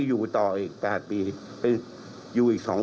หลายนะเดี๋ยวต้องอีกก่อน